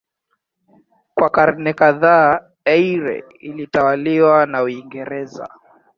Kwa karne kadhaa Eire ilitawaliwa na Uingereza.